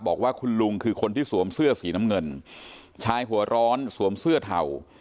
บอกว่าคุณลุงคือคนที่สวมเสื้อสีน้ำเงินชายหัวร้อนสวมเสื้อเทา